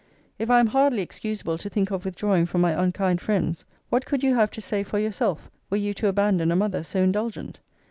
If I am hardly excusable to think of withdrawing from my unkind friends, what could you have to say for yourself, were you to abandon a mother so indulgent?